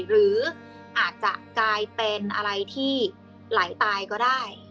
หรืออาจจะกลายเป็นอะไรที่ไหลตายก็ได้